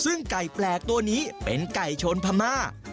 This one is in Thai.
ซึ่งไก่แปลกตัวนี้เป็นไก่ชนพม่า